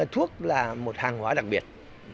thuốc là một hàng hóa đặc biệt